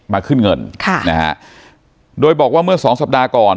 ขึ้นเงินค่ะนะฮะโดยบอกว่าเมื่อสองสัปดาห์ก่อน